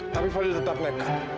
tapi fadil tetap nekat